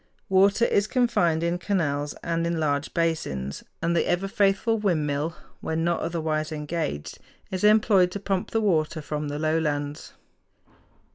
Water is confined in canals and in large basins; and the ever faithful windmill, when not otherwise engaged, is employed to pump the water from the lowlands.